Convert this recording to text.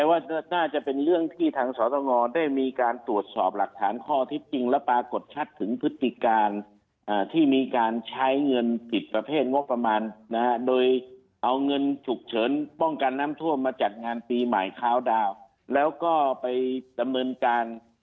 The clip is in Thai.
แล้วก็ไปดำเนินการ